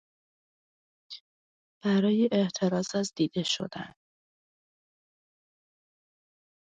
برای احتراز از دیده شدن